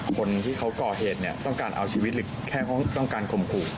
คนที่เขาก่อเหตุเนี่ยต้องการเอาชีวิตหรือแค่ต้องการข่มขู่